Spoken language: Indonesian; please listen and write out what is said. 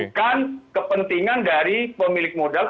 bukan kepentingan dari pemilik modal